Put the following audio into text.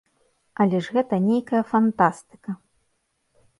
Але ж гэта нейкая фантастыка!